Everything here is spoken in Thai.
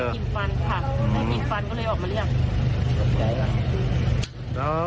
กินฟันค่ะไม่กินฟันก็เลยออกมาเรียก